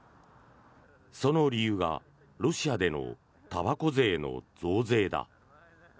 その理由がロシアでのたばこ税の増税だ。